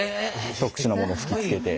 特殊なもの吹きつけて。